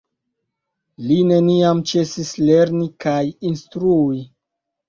Li neniam ĉesis lerni kaj instrui.